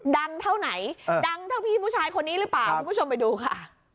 ดังเท่าไหนดังเท่าพี่ผู้ชายคนนี้หรือเปล่าคุณผู้ชมไปดูค่ะ